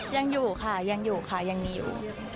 ยังอยู่ค่ะยังอยู่ค่ะยังมีอยู่